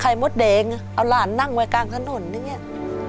หาเยคัยมดเดงเอาหลานนั่งไว้กลางถนนนี่เงี้ย